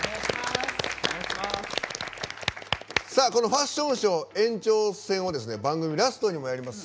ファッションショー延長戦を番組ラストにもやります。